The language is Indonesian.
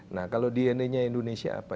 nah kalau dna nya indonesia apa